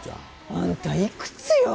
あんたいくつよ？